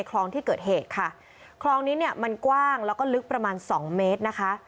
คลองที่เกิดเหตุค่ะคลองนี้เนี่ยมันกว้างแล้วก็ลึกประมาณสองเมตรนะคะ